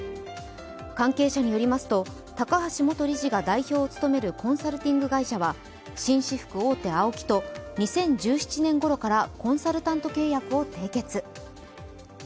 関係者によりますと、高橋元理事が代表を務めるコンサルティング会社は紳士服大手・ＡＯＫＩと２０１７年ごろからコンサルタント契約を締結。